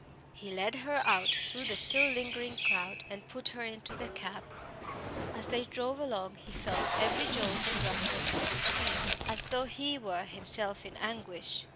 He led her out through the still lingering crowd and put her into the cab. As they drove along, he felt every jolt and roughness of the street as though he were himself in anguish.